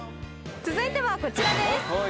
続いてはこちらです